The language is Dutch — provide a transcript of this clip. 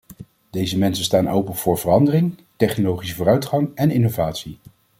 Deze mensen staan open voor verandering, technologische vooruitgang en innovatie.